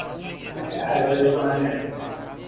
متعرضانه